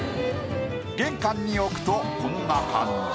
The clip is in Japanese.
玄関に置くとこんな感じ。